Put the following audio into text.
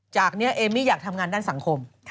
จากนี้เอมมี่อยากทำงานด้านสังคม